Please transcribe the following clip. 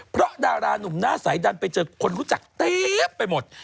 เพราะดารานุ่มหน้าสายดันไปเจอคนรู้จักเต็มไปหมด